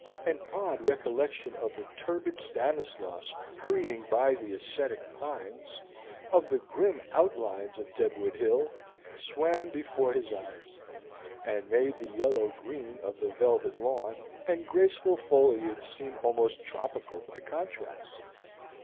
An odd recollection of the turbid Stanislaus hurrying by the ascetic pines, of the grim outlines of Deadwood Hill, swam before his eyes, and made the yellow green of the velvet lawn and graceful foliage seem almost tropical by contrast.